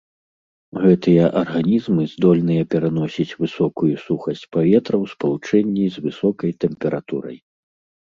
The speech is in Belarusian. Гэтыя арганізмы здольныя пераносіць высокую сухасць паветра ў спалучэнні з высокай тэмпературай.